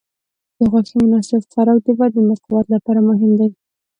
د غوښې مناسب خوراک د بدن د قوت لپاره مهم دی.